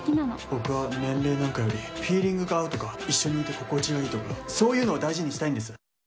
僕は年齢なんかよりフィーリングが合うとか一緒にいて心地がいいとかそういうのを大事にしたいんです。